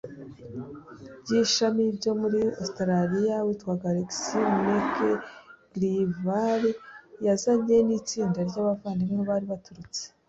by ishami byo muri Ositaraliya witwaga Alex MacGillivray yazanye n itsinda ry abavandimwe bari baturutse